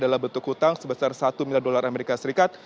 dalam bentuk hutang sebesar rp satu miliar amerika serikat